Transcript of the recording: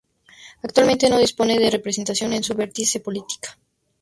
Actualmente no dispone de representación en su vertiente política.